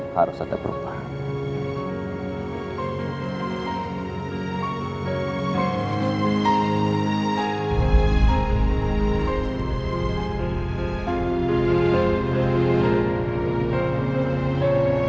harus ada perubahan